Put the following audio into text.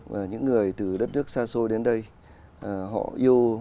và những người từ đất nước xa xôi đến đây họ yêu